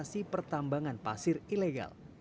lokasi pertambangan pasir ilegal